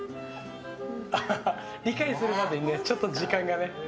理解するまでにちょっと時間がね。